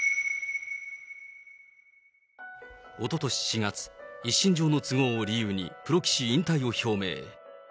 おととし４月、一身上の都合を理由にプロ棋士引退を表明。